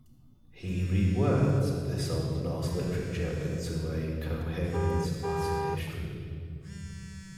He reworked this Old Norse literature into a coherent Latin history.